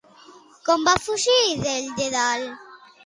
Com va fugir d'ell Dèdal?